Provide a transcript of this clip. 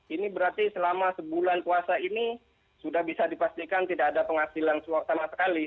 ini berarti selama sebulan puasa ini sudah bisa dipastikan tidak ada penghasilan sama sekali